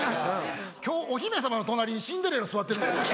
今日お姫様の隣にシンデレラ座ってる。